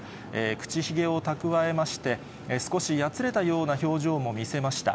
口ひげを蓄えまして、少しやつれたような表情も見せました。